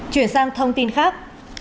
chuyển sang thông tin khác